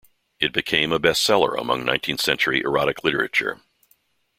It became a bestseller among nineteenth century erotic literature.